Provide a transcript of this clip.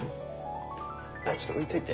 ちょっと置いといて。